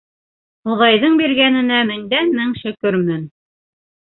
- Хоҙайҙың биргәненә меңдән-мең шөкөрмөн.